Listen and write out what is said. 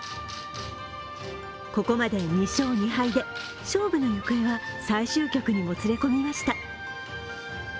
ここまで２勝２敗で勝負の行方は最終局にもつれ込みました。